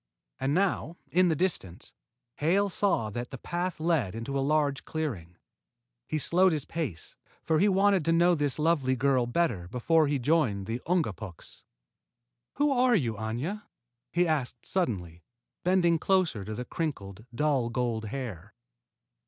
And now, in the distance, Hale saw that the path led into a large clearing. He slowed his pace, for he wanted to know this lovely girl better before he joined the Ungapuks. "Who are you, Aña?" he asked suddenly, bending closer to the crinkled, dull gold hair.